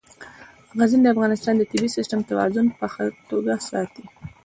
غزني د افغانستان د طبعي سیسټم توازن په ښه توګه ساتي.